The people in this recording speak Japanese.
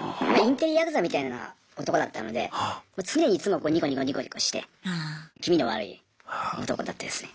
まあインテリやくざみたいな男だったので常にいつもニコニコニコニコして気味の悪い男だったですね。